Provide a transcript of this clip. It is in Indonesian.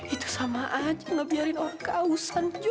itu sama aja ngebiarin orang keausan jo